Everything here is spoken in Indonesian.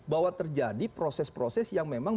bahwa terjadi proses proses yang memang